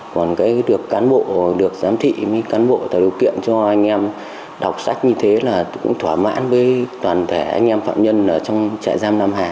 còn được cán bộ được giám thị cán bộ tạo điều kiện cho anh em đọc sách như thế là cũng thỏa mãn với toàn thể anh em phạm nhân ở trong trại giam nam hà